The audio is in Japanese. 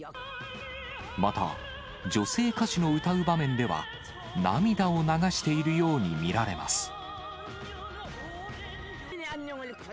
また、女性歌手の歌う場面では、涙を流しているように見られます。